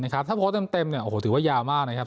ถ้าโพสต์เต็มถือว่ายาวมากนะครับ